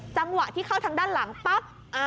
จังหวะที่เข้าทางด้านหลังปั๊บ